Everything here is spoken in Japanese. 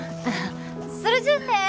それじゃあね